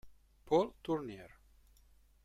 Paul Tournier